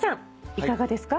いかがですか？